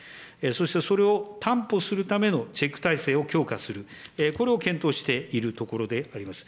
そしてそれを担保するためのチェック体制を強化する、これを検討しているところであります。